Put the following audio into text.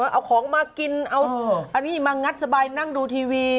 เอาของมากินเอาอันนี้มางัดสบายนั่งดูทีวี